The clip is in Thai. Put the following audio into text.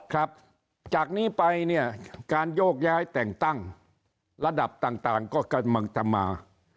ครับจากนี้ไปเนี่ยการโยกย้ายแต่งตั้งระดับต่างก็กำลังจะมา